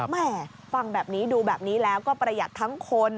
แม่ฟังแบบนี้ดูแบบนี้แล้วก็ประหยัดทั้งคน